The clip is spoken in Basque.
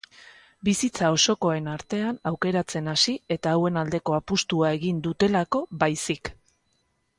Bizitza osokoen artean aukeratzen hasi eta hauen aldeko apostua egin dutelako baizik.